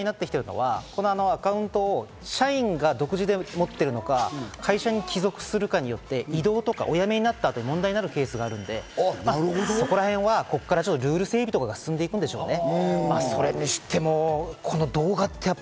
問題になってるのは、このアカウントを社員が独自で持っているのか、会社に帰属するのかによって異動になったり、お辞めになった後、問題になるケースがあるので、ここからルール整備とかが進んでいくんでしょうね。